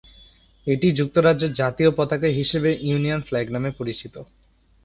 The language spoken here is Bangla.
এটি যুক্তরাজ্যের জাতীয় পতাকা হিসেবে ইউনিয়ন ফ্ল্যাগ নামে পরিচিত।